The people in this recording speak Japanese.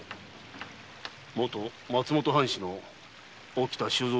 元松本藩士・沖田収蔵